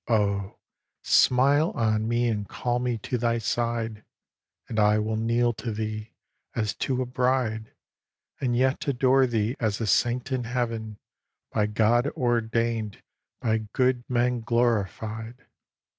Oh, smile on me and call me to thy side, And I will kneel to thee, as to a bride, And yet adore thee as a saint in Heaven By God ordained, by good men glorified!